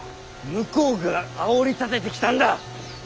向こうがあおりたててきたんだ！